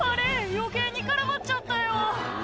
余計に絡まっちゃったよ」